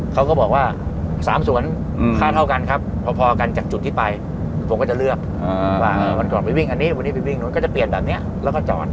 เขาก็บอกว่า๓สวนค่าเท่ากันครับพอกันจากจุดที่ไปผมก็จะเลือกว่าวันก่อนไปวิ่งอันนี้วันนี้ไปวิ่งนู้นก็จะเปลี่ยนแบบนี้แล้วก็จอด